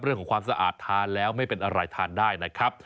เรื่องของความสะอาดทานแล้วไม่เป็นอะไรทานได้นะครับ